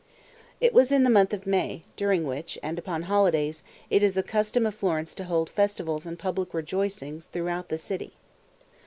It was in the month of May, during which, and upon holidays, it is the custom of Florence to hold festivals and public rejoicings throughout the city.